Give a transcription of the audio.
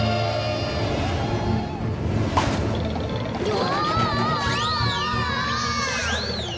うわ！